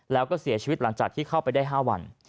แล้วก็เสียชีวิตหลังจากที่เข้าไปได้๕วัน